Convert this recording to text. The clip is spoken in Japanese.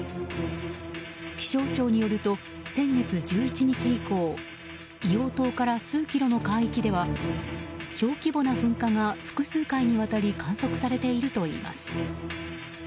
気象庁によると先月１１日以降硫黄島から数キロの海域では小規模な噴火が複数回にわたり観測されているといいます。